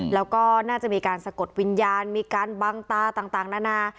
แล้วก็น่าจะมีการสะกดวิญญาณมีการบังตาต่างนานา